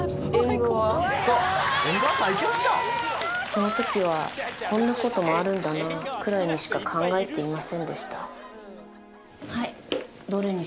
その時はこんなこともあるんだなくらいにしか考えていませんでした